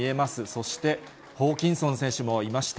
そして、ホーキンソン選手もいました。